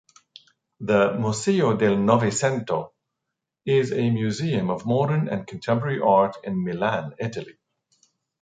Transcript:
The Museo del Novecento is a museum of modern and contemporary art in Milan, Italy.